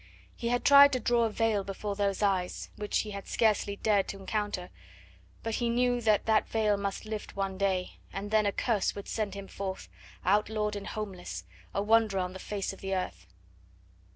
He had tried to draw a veil before those eyes which he had scarcely dared encounter, but he knew that that veil must lift one day, and then a curse would send him forth, outlawed and homeless, a wanderer on the face of the earth.